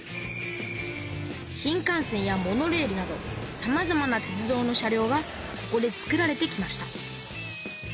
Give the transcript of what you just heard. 新幹線やモノレールなどさまざまな鉄道の車両がここでつくられてきました。